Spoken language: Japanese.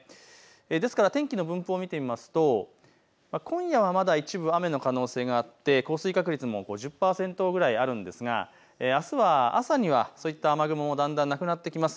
ですから天気の分布を見てみますと今夜はまだ一部雨の可能性があって降水確率も５０％くらいあるんですがあすは朝にはそういった雨雲、だんだんなくなります。